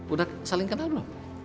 udah saling kenal belum